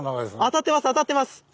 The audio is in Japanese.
当たってます